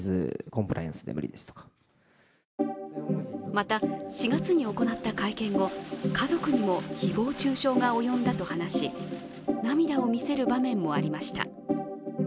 また、４月に行った会見後、家族にも誹謗中傷が及んだと話し、涙をみせる場面もありました。